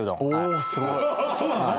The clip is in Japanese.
おすごい。